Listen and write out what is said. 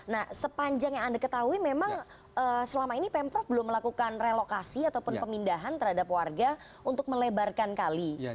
nah sepanjang yang anda ketahui memang selama ini pemprov belum melakukan relokasi ataupun pemindahan terhadap warga untuk melebarkan kali